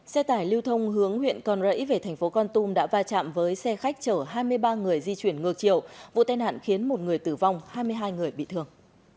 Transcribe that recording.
xe tải lưu thông hướng huyện con rẫy về thành phố con tum đã va chạm với xe khách chở hai mươi ba người di chuyển ngược chiều vụ tai nạn khiến một người tử vong hai mươi hai người bị thương